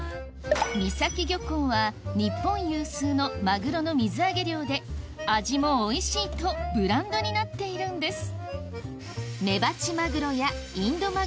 三崎漁港は日本有数のマグロの水揚げ量で味もおいしいとブランドになっているんです